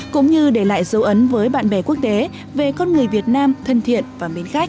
cũng như để lại dấu ấn với bạn bè quốc tế về con người việt nam thân thiện và mến khách